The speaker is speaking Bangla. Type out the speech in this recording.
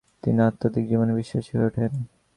তিনি আধ্যাত্মিক জীবনে বিশ্বাসী হয়ে ওঠেন।